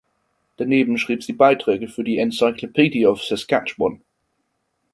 Daneben schrieb sie Beiträge für die "Encyclopedia of Saskatchewan".